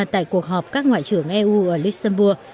tại cuộc họp các ngoại trưởng eu ở luxembourg